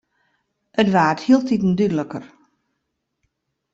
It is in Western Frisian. It waard hieltiten dúdliker.